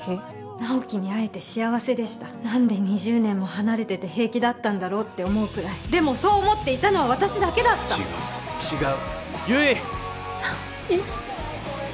直木に会えて幸せでした何で２０年も離れてて平気だったんだろって思うくらいでもそう思っていたのは私だけだった違う違う！